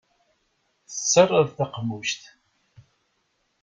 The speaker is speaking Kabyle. Tettarraḍ taqemmuct.